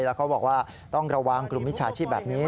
แล้วเขาบอกว่าต้องระวังกลุ่มมิจฉาชีพแบบนี้